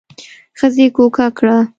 ښځې کوکه کړه.